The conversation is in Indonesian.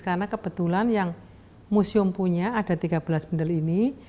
karena kebetulan yang museum punya ada tiga belas bendel ini